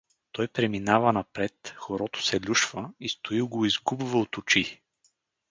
Той преминава напред, хорото се люшва и Стоил го изгубва от очи.